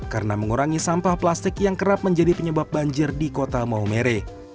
karena mengurangi sampah plastik yang kerap menjadi penyebab banjir di kota maumerik